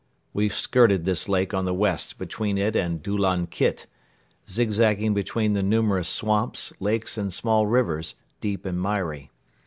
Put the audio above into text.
We skirted this lake on the west between it and Doulan Kitt, zigzagging between the numerous swamps, lakes and small rivers, deep and miry.